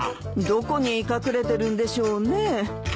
どこに隠れてるんでしょうね。